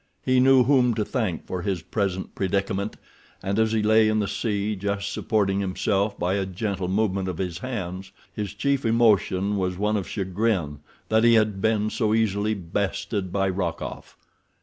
He knew whom to thank for his present predicament, and as he lay in the sea, just supporting himself by a gentle movement of his hands, his chief emotion was one of chagrin that he had been so easily bested by Rokoff.